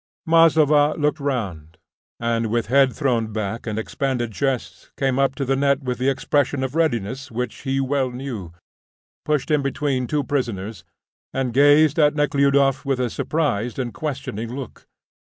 Maslova looked round, and with head thrown back and expanded chest, came up to the net with that expression of readiness which he well knew, pushed in between two prisoners, and gazed at Nekhludoff with a surprised and questioning look.